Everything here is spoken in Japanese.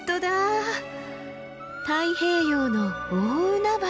太平洋の大海原。